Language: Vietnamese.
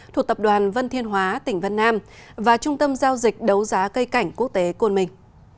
thuộc tập đoàn vân thiên hóa tỉnh vân nam và trung tâm giao dịch đấu giá cây cảnh quốc tế côn mình